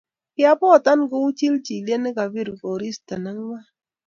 Kiabotan kou chilchilyet nekapir koristo nengwan